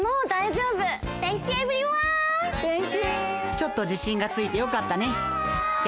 ちょっとじしんがついてよかったねき